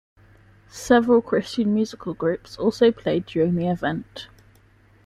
Several Christian musical groups also played during the event.